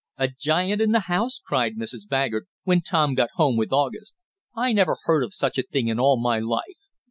"A giant in the house!" cried Mrs. Baggert, when Tom got home with August. "I never heard of such a thing in all my life!